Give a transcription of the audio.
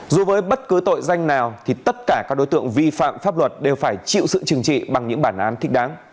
dù với bất cứ tội danh nào thì tất cả các đối tượng vi phạm pháp luật đều phải chịu sự chừng trị bằng những bản án thích đáng